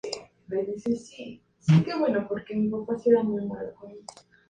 Tiene una hermana, Kyla Aki, un año menor que ella.